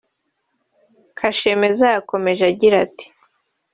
Kashemeza yakomeje agira ati